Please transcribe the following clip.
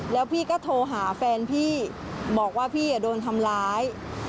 แล้วพี่ก็โทรหาแฟนพี่บอกว่าพี่โดนทำร้าย